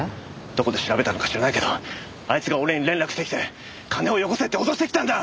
どこで調べたのか知らないけどあいつが俺に連絡してきて金をよこせって脅してきたんだ！